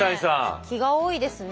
ねえ気が多いですね。